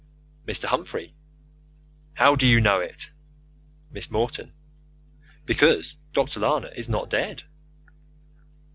Mr. Humphrey: How do you know it? Miss Morton: Because Dr. Lana is not dead.